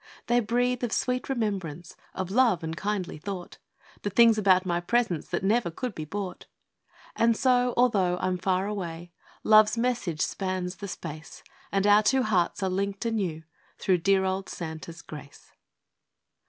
They breathe of sweet remembrance, Of Love and Kindly Thought The things about my presents That never could be bought. And so, although I'm far away, Love's message spans the space And our two hearts are linked anew Through dear old Santa's grace.